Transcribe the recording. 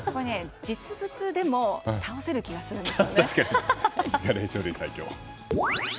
実物でも倒せる気がするんですよね。